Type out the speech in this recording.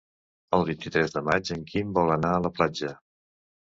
El vint-i-tres de maig en Quim vol anar a la platja.